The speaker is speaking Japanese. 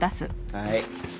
はい。